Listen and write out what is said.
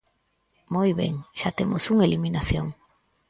Moi ben, xa temos unha eliminación.